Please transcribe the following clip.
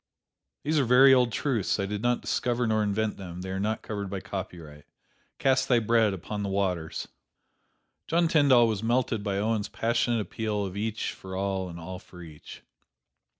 These are very old truths I did not discover nor invent them they are not covered by copyright: "Cast thy bread upon the waters." John Tyndall was melted by Owen's passionate appeal of each for all and all for each.